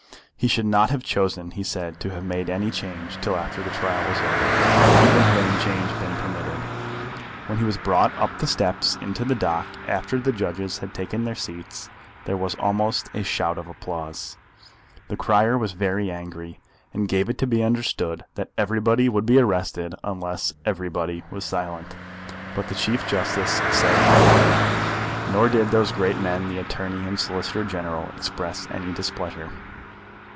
He should not have chosen, he said, to have made any change till after the trial was over, even had any change been permitted. When he was brought up the steps into the dock after the judges had taken their seats there was almost a shout of applause. The crier was very angry, and gave it to be understood that everybody would be arrested unless everybody was silent; but the Chief Justice said not a word, nor did those great men the Attorney and Solicitor General express any displeasure.